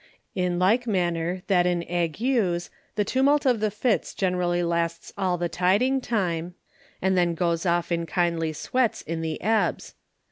In like manner, that in Agues, the tumult of the Fits generally lasts all the Tiding time, and then goes off in kindly Sweats in the Ebbs.